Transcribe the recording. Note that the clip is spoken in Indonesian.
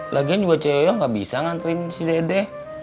lagian juga cewek yoyo ga bisa nganterin si dede